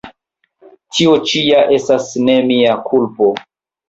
Tio ĉi ja estas ne mia kulpo!